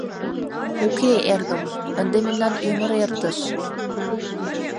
Уке, эргым, ынде мемнан ӱмыр эртыш.